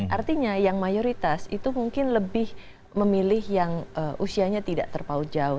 artinya yang mayoritas itu mungkin lebih memilih yang usianya tidak terpau jauh